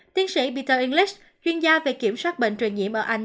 tiến sĩ peter englas chuyên gia về kiểm soát bệnh truyền nhiễm ở anh